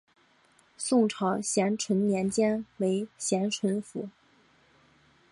宋朝咸淳年间为咸淳府。